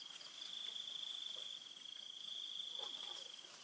ติดต่อไปแล้ว